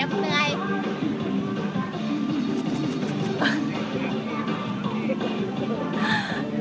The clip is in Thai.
ตรงตรงตรงตรงตรง